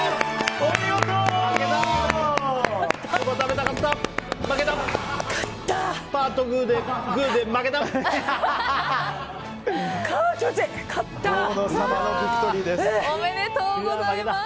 おめでとうございます！